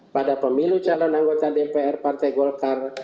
pada pemilu calon anggota dpr partai golkar